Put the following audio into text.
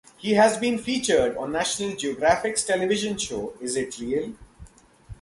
He has been featured on National Geographic's television show "Is it real?".